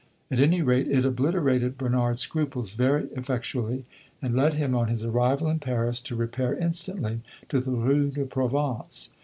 At any rate, it obliterated Bernard's scruples very effectually, and led him on his arrival in Paris to repair instantly to the Rue de Provence.